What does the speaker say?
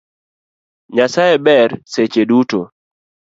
Nyasaye ber seche duto